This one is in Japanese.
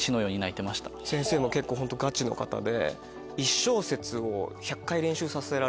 先生も結構ホントガチの方で。